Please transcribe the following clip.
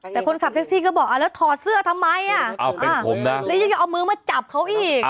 แต่คนขับแท็กซี่ก็บอกแล้วถอดเสื้อทำไมเป็นผมนะแล้วยังจะเอามือมาจับเขาอีก